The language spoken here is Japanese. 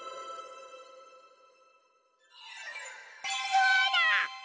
そうだ！